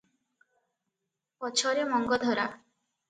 ପଛରେ ମଙ୍ଗଧରା ।